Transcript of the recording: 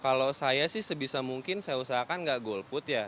kalau saya sih sebisa mungkin saya usahakan nggak golput ya